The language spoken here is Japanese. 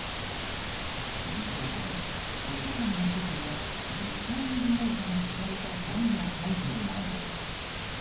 実はこれ、図書館の司書が実際に利用者に聞かれた本のタイトルなんです。